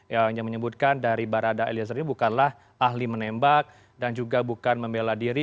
yang menyebutkan dari barada eliezer ini bukanlah ahli menembak dan juga bukan membela diri